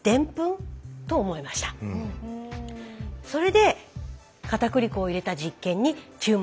それでかたくり粉を入れた実験に注目したんです。